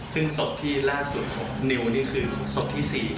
ซึ่งศพที่ล่าสุดของนิวนี่คือศพที่๔